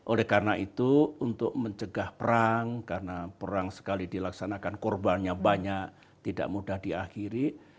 oleh karena itu untuk mencegah perang karena perang sekali dilaksanakan korbannya banyak tidak mudah diakhiri